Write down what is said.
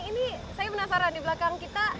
ini saya penasaran di belakang kita